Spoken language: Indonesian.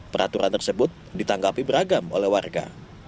peraturan tersebut ditanggapi beragam oleh warga